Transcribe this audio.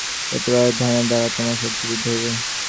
প্রতিবারেই ধ্যানের দ্বারা তোমার শক্তি বৃদ্ধি হইবে।